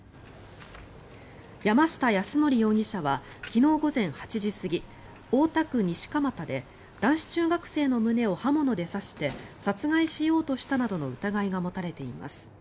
山下泰範容疑者は昨日午前８時過ぎ大田区西蒲田で男子中学生の胸を刃物で刺して殺害しようとしたなどの疑いが持たれています。